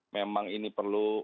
memang ini perlu